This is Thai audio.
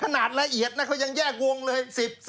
ขนาดละเอียดนะเขายังแยกวงเลย